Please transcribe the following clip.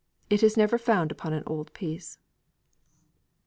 It is never found upon an old piece.